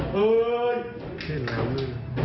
เกลียดแล้วด้วย